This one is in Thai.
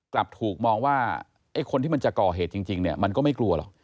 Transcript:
กลับถูกมองว่าไอ้คนที่มันจะก่อเหตุจริงเนี่ยมันก็ไม่กลัวหรอก